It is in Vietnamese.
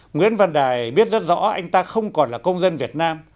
nguyễn văn đài biết rất rõ anh ta không còn là công dân việt nam